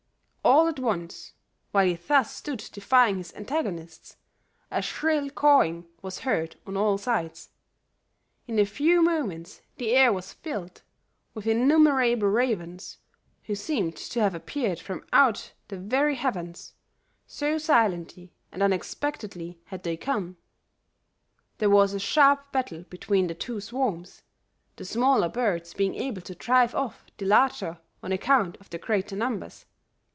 "All at once, while he thus stood defying his antagonists, a shrill cawing was heard on all sides; in a few moments the air was filled with innumerable ravens who seemed to have appeared from out the very heavens, so silently and unexpectedly had they come. There was a sharp battle between the two swarms, the smaller birds being able to drive off the larger on account of their greater numbers.